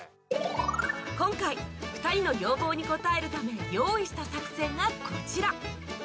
今回２人の要望に応えるため用意した作戦がこちら